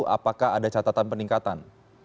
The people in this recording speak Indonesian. apakah ada catatan peningkatan